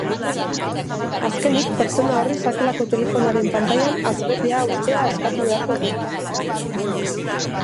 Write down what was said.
Azkenik, pertsona horri sakelako telefonoaren pantailan hazbetea uztea eskatu beharko dio.